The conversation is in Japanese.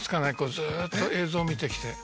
ずっと映像を見てきて。